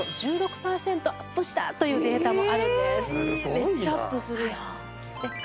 めっちゃアップするやん。